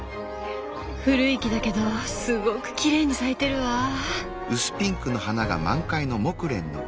古い木だけどすごくきれいに咲いてるわぁ。